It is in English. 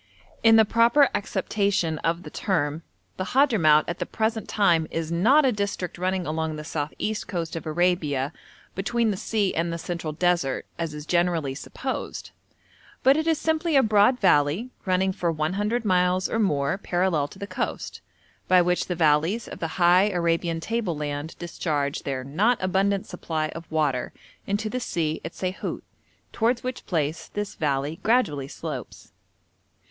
In the proper acceptation of the term, the Hadhramout at the present time is not a district running along the south east coast of Arabia between the sea and the central desert, as is generally supposed, but it is simply a broad valley running for 100 miles or more parallel to the coast, by which the valleys of the high Arabian table land discharge their not abundant supply of water into the sea at Saihut, towards which place this valley gradually slopes.